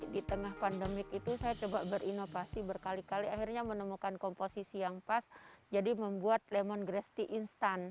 di tengah pandemik itu saya coba berinovasi berkali kali akhirnya menemukan komposisi yang pas jadi membuat lemon grass tea instan